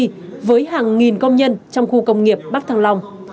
liên quan tới hai công ty với hàng nghìn công nhân trong khu công nghiệp bắc thăng long